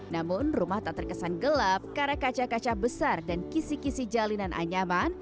namun rumah tak terkesan gelap karena kaca kaca besar dan kisi kisi jalinan anyaman